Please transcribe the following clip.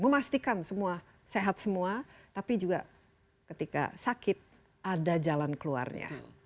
memastikan semua sehat semua tapi juga ketika sakit ada jalan keluarnya